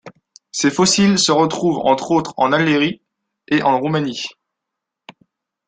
Ces fossiles se retrouvent, entre autres en Alérie et en Roumanie.